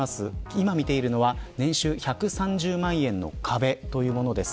今見ているのは年収１３０万円の壁というものです。